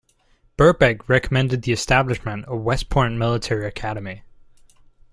Burbeck recommended the establishment of West Point Military Academy.